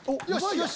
よし！